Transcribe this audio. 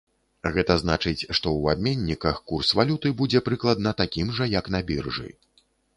Гэта значыць, што ў абменніках курс валюты будзе прыкладна такім жа, як на біржы.